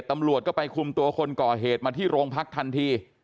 มาที่โรงพรรคทันที